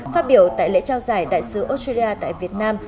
phát biểu tại lễ trao giải đại sứ australia tại việt nam